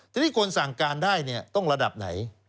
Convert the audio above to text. ทีนี้คนสั่งการได้ต้องระดับไหน